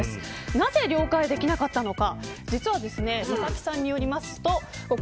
なぜ両替できなかったのか。